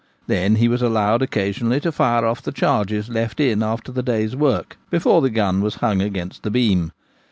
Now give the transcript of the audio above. Then he was allowed oc casionally to fire off the charges left in after the day's work, before the gun was hung against the beam.